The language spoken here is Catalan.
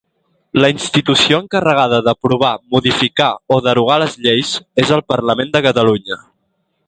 La institució encarregada d'aprovar, modificar o derogar les lleis és el Parlament de Catalunya.